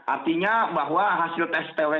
artinya bahwa hasil tes teori kami